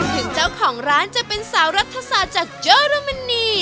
ถึงเจ้าของร้านจะเป็นสาวรัฐศาสตร์จากเยอรมนี